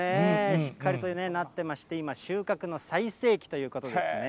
しっかりとなってまして、今、収穫の最盛期ということですね。